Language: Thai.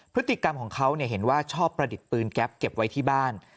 พฤติกรรมของเขาเห็นว่าชอบประดิษฐ์ปืนแก๊ปเก็บไว้ที่บ้าน